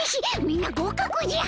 みんな合格じゃ。